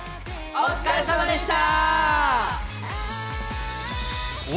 お疲れさまでした！